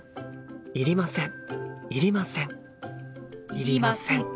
いりません。